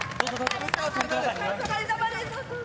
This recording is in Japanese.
お疲れさまです。